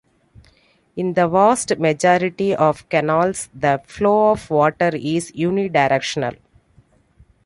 In the vast majority of canals the flow of water is unidirectional.